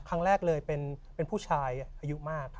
ครั้งแรกเลยเป็นผู้ชายอายุมาก